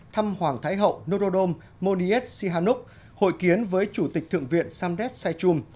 thăm hoàng thái hậu nururum moniet sihamon hội kiến với chủ tịch thượng viện samdet saichum